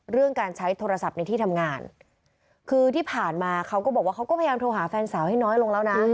เรื่องการใช้โทรศัพท์ในที่ทำงานคือที่ผ่านมาเขาก็บอกว่าเขาก็พยายามโทรหาแฟนสาวให้น้อยลงแล้วนะ